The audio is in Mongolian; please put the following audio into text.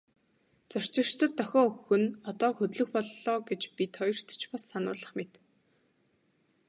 Зорчигчдод дохио өгөх нь одоо хөдлөх боллоо гэж бид хоёрт ч бас сануулах мэт.